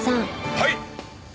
はい！